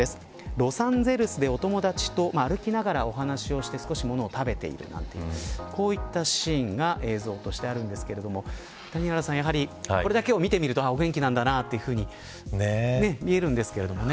ロサンゼルスでお友達と歩きながらお話しをして物を食べているなんていうこういったシーンが映像としてあるんですが谷原さんやはりこれだけを見てみるとお元気なんだなと見えるんですけれどもね。